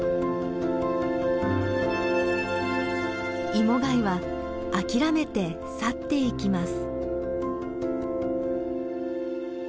イモガイは諦めて去っていきます。